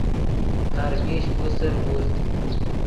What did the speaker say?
ہر میش پوسر اُوزد